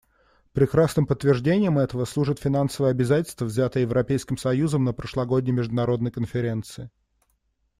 Прекрасным подтверждением этого служит финансовое обязательство, взятое Европейским союзом на прошлогодней международной конференции.